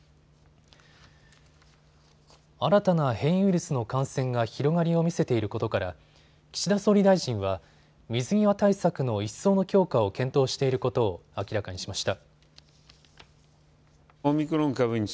新たな変異ウイルスの感染が広がりを見せていることから岸田総理大臣は水際対策の一層の強化を検討していることを明らかにしました。